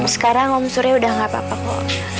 sekarang om surya udah gak apa apa